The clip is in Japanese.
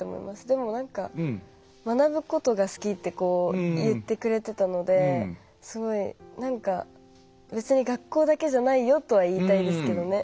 でもなんか学ぶことが好きって言ってくれてたのですごいなんか別に学校だけじゃないよとは言いたいですけどね。